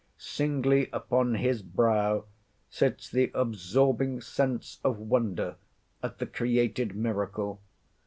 Singly upon his brow sits the absorbing sense of wonder at the created miracle.